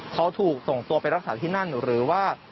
เขาถูกส่งตัวไปรักษาที่นั่นหรือว่า